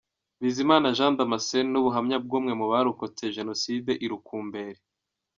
Bizimana Jean Damascene n’ubuhamya bw’umwe mu barokotse jenoside i Rukumberi.